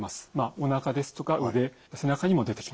おなかですとか腕背中にも出てきます。